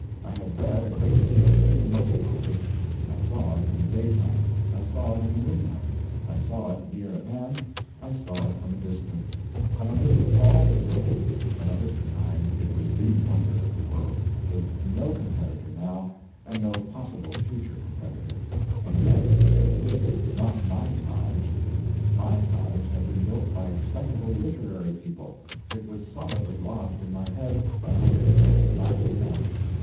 I had read a great deal too much about it. I saw it in the daytime, I saw it in the moonlight, I saw it near at hand, I saw it from a distance; and I knew all the time, that of its kind it was the wonder of THE world, with no competitor now and no possible future competitor; and yet, it was not MY Taj. My Taj had been built by excitable literary people; it was solidly lodged in my head, and I could not blast it out.